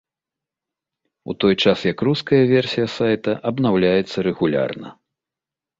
У той час як руская версія сайта абнаўляецца рэгулярна.